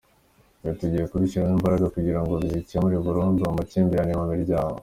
Ibi tugiye kubishyiramo imbaraga kugira ngo bizakemure burundu amakimbirane mu miryango”.